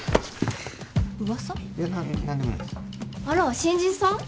あら新人さん？